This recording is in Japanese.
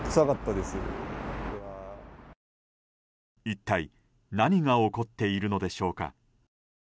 一体何が起こっているのでしょうか。